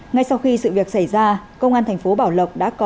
ngay sau khi sự việc xảy ra công an tp bảo lộc đã có